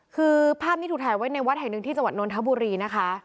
คือภาพนี้ถูกถ่ายไว้ในวัดแห่งหนึ่งที่จังหวัดนนทบุรีนะคะ